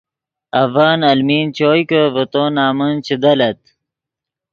اڤن المین چوئے کہ ڤے تو نمن چے دلّت